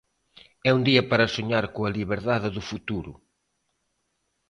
É un día para soñar coa liberdade do futuro.